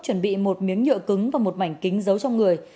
chuẩn bị một miếng nhựa cứng và một mảnh kính giấu trong người